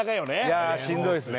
いやあしんどいですね。